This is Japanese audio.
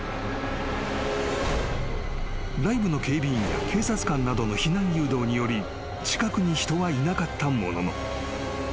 ［ライブの警備員や警察官などの避難誘導により近くに人はいなかったものの］